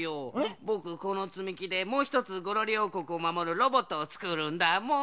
ぼくこのつみきでもうひとつゴロリおうこくをまもるロボットをつくるんだもん。